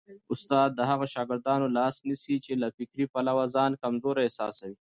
استاد د هغو شاګردانو لاس نیسي چي له فکري پلوه ځان کمزوري احساسوي.